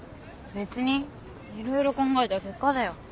別にいろいろ考えた結果だよ。